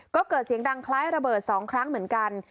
ก็เกิดเสียงดังคล้ายระเบิด๒ครั้งเหมือนกัน